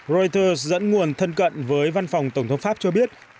reuters dẫn nguồn thân cận với văn phòng tổng thống pháp cho biết